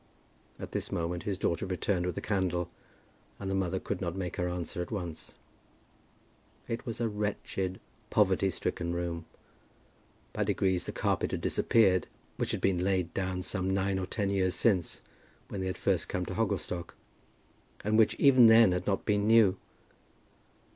At this moment his daughter returned with a candle, and the mother could not make her answer at once. It was a wretched, poverty stricken room. By degrees the carpet had disappeared, which had been laid down some nine or ten years since, when they had first come to Hogglestock, and which even then had not been new.